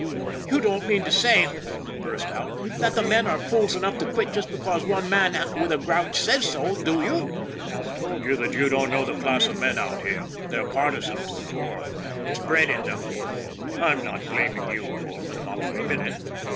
" You don't mean to say," Holman burst out, " that the men are fools enough to quit just because one man with a grouch says so, do you ?"" I told you that you didn't know the class of men out here they're partisan to the core it's bred in them. I'm not blaming you, Holman not for a minute!